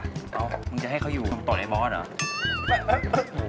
อ้าวมึงจะให้เขาอยู่มึงต่อในบอสเหรอ